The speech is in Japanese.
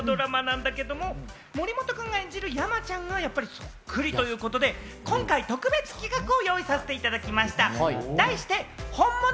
熱くなれる、そんなお２人のドラマなんだけど、森本君が演じる山ちゃん、そっくりということで、今回、特別企画を用意させていただきました。